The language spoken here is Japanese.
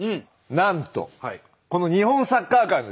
なんとこの日本サッカー界のですね